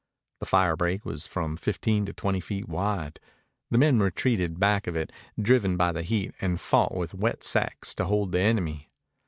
The fire break was from fifteen to twenty feet wide. The men retreated back of it, driven by the heat, and fought with wet sacks to hold the enemy.